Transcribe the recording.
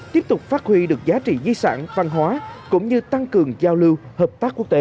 tiếp tục phát huy được giá trị di sản văn hóa cũng như tăng cường giao lưu hợp tác quốc tế